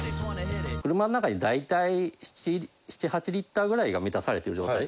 車の中に大体７８リッターぐらいが満たされてる状態。